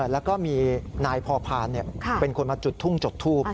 แล้วก็มีนายพอพานเป็นคนมาจุดทุ่งจุดทูบ